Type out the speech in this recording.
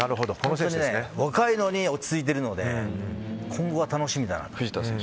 若いのに落ち着いているので今後が楽しみだなと。